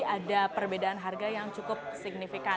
ada perbedaan harga yang cukup signifikan